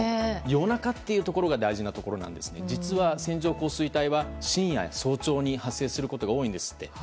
夜中というところが大事なところで実は、線状降水帯は深夜・早朝に発生することが多いんですって。